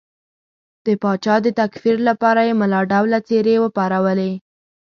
د پاچا د تکفیر لپاره یې ملا ډوله څېرې وپارولې.